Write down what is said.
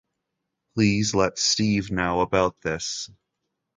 Please let Steve know about this.